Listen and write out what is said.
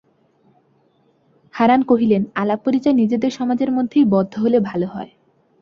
হারান কহিলেন, আলাপ-পরিচয় নিজেদের সমাজের মধ্যেই বদ্ধ হলে ভালো হয়।